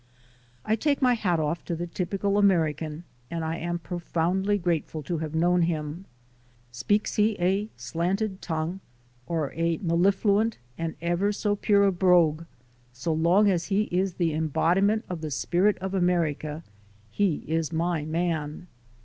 I take my hat off to the typical American and I am profoundly grateful to have known him. Speaks he a "slanted" tongue or a mellifluent and ever so pure a brogue, so long as he is the embodiment of the spirit of America he is my man.